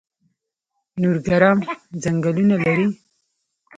نورګرام ځنګلونه لري؟